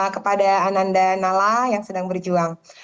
kepada ananda nala yang sedang berjuang